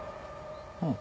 うん。